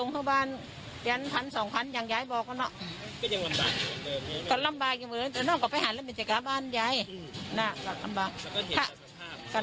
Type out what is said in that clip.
เมื่อได้กับหมื่นแปมแก้น